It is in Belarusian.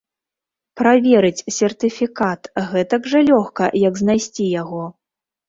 Праверыць сертыфікат гэтак жа лёгка, як знайсці яго?